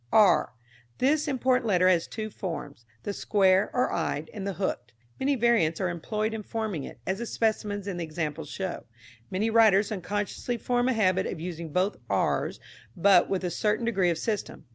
r. This important letter has two forms the square, or eyed, and the hooked. Many variants are employed in forming it, as the specimens in the examples show. Many writers unconsciously form a habit of using both r's, but with a certain degree of system.